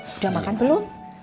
sudah makan belum